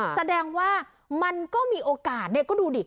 แสดงว่ามันก็มีโอกาสเนี่ยก็ดูดิ